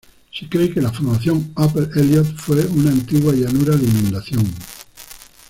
Se cree que la Formación Upper Elliot fue una antigua llanura de inundación.